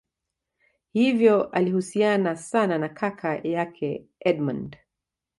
hivyo alihusiana sana na kaka yake edmund